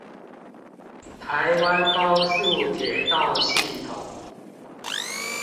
台灣高速鐵道系統